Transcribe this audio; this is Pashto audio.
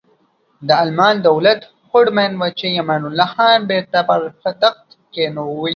د المان دولت هوډمن و چې امان الله خان بیرته پر تخت کینوي.